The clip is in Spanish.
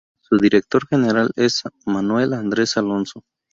Su Director General es Manuel Andres Alonso.